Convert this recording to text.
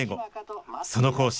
その講師